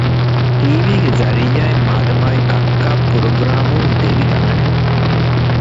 ޓީވީގެ ޒަރިއްޔާއިން މާދަމާގެ ކައްކާ ޕުރޮގްރާމުން ދެވިދާނެ